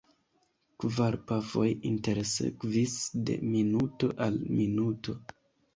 Kvar pafoj intersekvis de minuto al minuto.